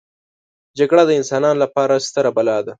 جګړه د انسانانو لپاره ستره بلا ده